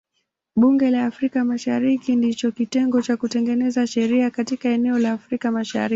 Bunge la Afrika Mashariki ndicho kitengo cha kutengeneza sheria katika eneo la Afrika Mashariki.